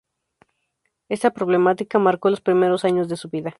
Esta problemática marcó los primeros años de su vida.